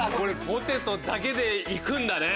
ポテトだけで行くんだね！